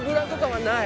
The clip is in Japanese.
はい。